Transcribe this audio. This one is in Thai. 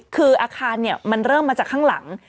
คืออาคารมันเริ่มมาจากข้างหลัง